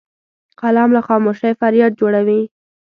قلم له خاموشۍ فریاد جوړوي